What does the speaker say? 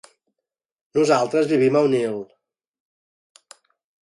Nosaltres vivim a Onil.